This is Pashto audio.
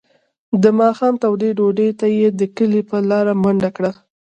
د ماښام تودې ډوډۍ ته یې د کلي په لاره منډه کړه.